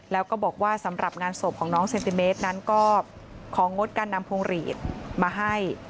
แล้วก็บอกว่าสำหรับงานศพของน้องเซนติเมตรนั้นก็ของงดการนำพวงหลีดมาให้